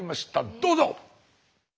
どうぞ！